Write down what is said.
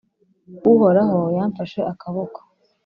Uhoraho yamfashe akaboko,